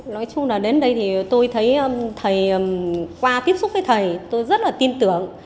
nói chung là đến đây thì tôi thấy thầy qua tiếp xúc với thầy tôi rất là tin tưởng